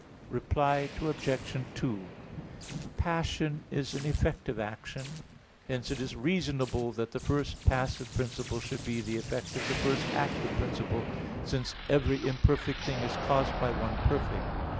Reply Obj. 2: Passion is an effect of action. Hence it is reasonable that the first passive principle should be the effect of the first active principle, since every imperfect thing is caused by one perfect.